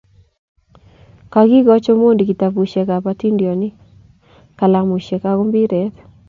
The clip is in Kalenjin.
Kagigooch Omondi kitabushek kab hatindonik, kalamushek ago mpiret